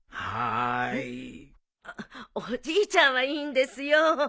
あっおじいちゃんはいいんですよ。